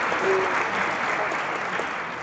Yo na va kaba.